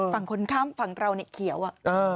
ฝั่งคนข้ามฝั่งเราเนี่ยเขียวอะ